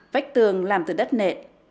vách tường làm bằng gỗ